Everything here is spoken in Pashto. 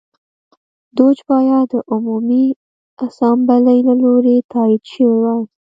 دوج باید د عمومي اسامبلې له لوري تایید شوی وای.